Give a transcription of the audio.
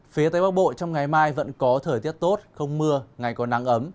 phía tây bắc bộ trong ngày mai vẫn có thời tiết tốt không mưa ngày còn nắng ấm